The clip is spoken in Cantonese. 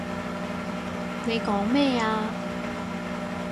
你講咩啊？